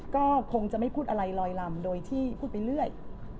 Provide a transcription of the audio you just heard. ก็คงจะไม่พูดอะไรลอยลำโดยที่พูดไปเรื่อย